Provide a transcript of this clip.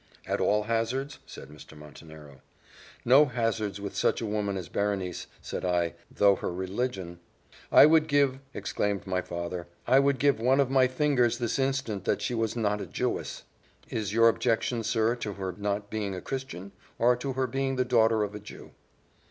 "At all hazards?" said Mr. Montenero. "No hazards with such a woman as Berenice," said I, "though her religion " "I would give," exclaimed my father, "I would give one of my fingers this instant, that she was not a Jewess!" "Is your objection, sir, to her not being a Christian, or to her being the daughter of a Jew?"